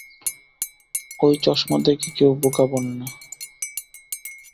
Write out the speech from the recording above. ওই চশমা দেখে কেউ বোকা বনে না।